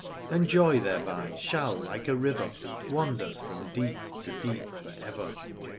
And joy thereby shall like a river Wander from deep to deep for ever.